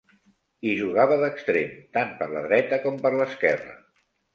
Hi jugava d'extrem, tant per la dreta com per l'esquerra.